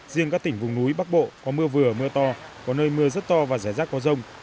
riêng các tỉnh vùng núi bắc bộ có mưa vừa mưa to có nơi mưa rất to và rải rác có rông